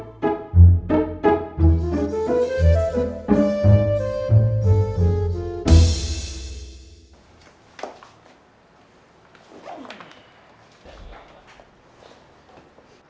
rum mau ngajar